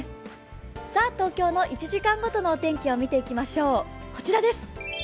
東京の１時間ごとのお天気を見ていきましょう、こちらです。